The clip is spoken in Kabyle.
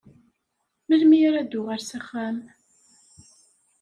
Melmi ara d-tuɣal s axxam?